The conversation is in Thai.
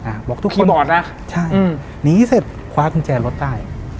บอกทุกคีย์บอร์ดนะใช่อืมหนีเสร็จคว้ากุญแจรถได้